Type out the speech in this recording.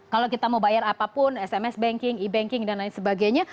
kalau kita mau bayar apapun sms banking e banking dan lain sebagainya